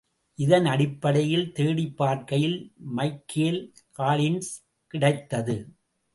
இதனடிப்படையில் தேடிப்பார்க்கையில் Michael Collins கிடைத்தது.